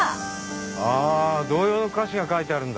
ああ童謡の歌詞が書いてあるんだ。